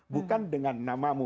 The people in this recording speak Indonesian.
bukan dengan namamu